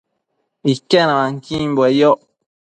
Iquenuanquimbue yoc